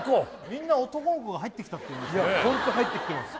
みんな男の子が入ってきたってホント入ってきてます